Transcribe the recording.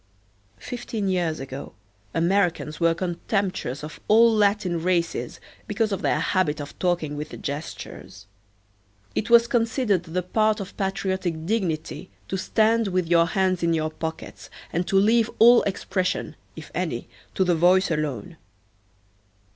Fifteen years ago Americans were contemptuous of all Latin races because of their habit of talking with gestures. It was considered the part of patriotic dignity to stand with your hands in your pockets and to leave all expression, if any, to the voice alone.